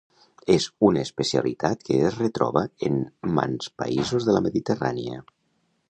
És una especialitat que es retroba en mants països de la mediterrània.